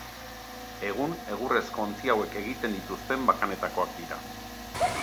Egun, egurrezko ontzi hauek egiten dituzten bakanetakoak dira.